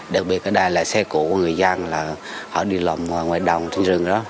đặc biệt ở đây là xe cổ của người dân họ đi lòng ngoài đồng trên rừng đó